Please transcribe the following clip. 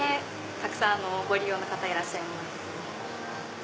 たくさんご利用の方いらっしゃいます。